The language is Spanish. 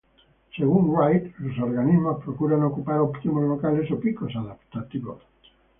Según Wright, los organismos procuran ocupar óptimos locales o picos adaptativos.